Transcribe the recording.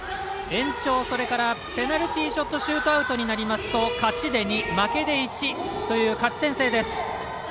延長、それからペナルティーショットシュートアウトになると勝ちで２負けで１という勝ち点制です。